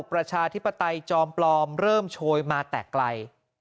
ประชาธิปไตยจอมปลอมเริ่มโชยมาแต่ไกล